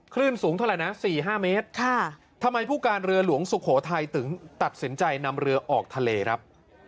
คลื่นสูงเท่าไหร่นะ๔๕เมตรทำไมผู้การเรือหลวงสุโขทัยถึงตัดสินใจนำเรือออกทะเลครับ